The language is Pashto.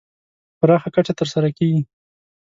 پراخه کچه تر سره کېږي.